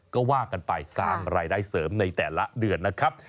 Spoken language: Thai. ก็ว่ากันไปสร้างรายได้เสริมในแต่ละเดือนนะครับ